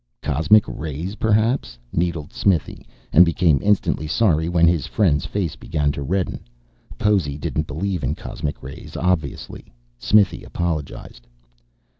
"Cosmic rays, perhaps," needled Smithy, and became instantly sorry when his friend's face began to redden. Possy didn't believe in cosmic rays, obviously. Smithy apologized.